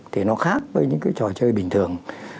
thì nó khác với những trò chơi bình thường